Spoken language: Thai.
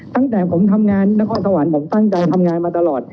ตั้งแต่ผมทำงานนครสวรรค์ผมตั้งใจทำงานมาตลอด